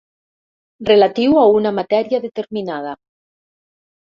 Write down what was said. Relatiu a una matèria determinada.